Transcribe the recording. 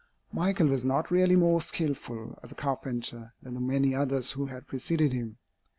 Michael was not really more skilful as a carpenter than the many others who had preceded him.